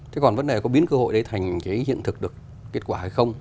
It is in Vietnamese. thế còn vấn đề có biến cơ hội đấy thành cái hiện thực được kết quả hay không